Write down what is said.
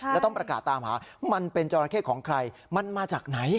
แล้วต้องประกาศตามหามันเป็นจราเข้ของใครมันมาจากไหน